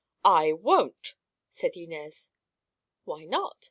"I won't!" said Inez. "Why not?"